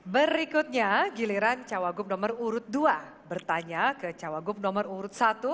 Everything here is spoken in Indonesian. berikutnya giliran cawagup nomor urut dua bertanya ke cawagup nomor urut satu